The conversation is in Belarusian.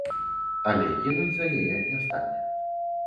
Але гінуць за яе не стане.